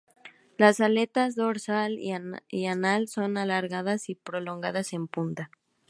Las aletas dorsal y anal son alargadas y prolongadas en punta.